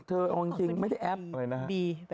เธอเอาจริงไม่ได้แอป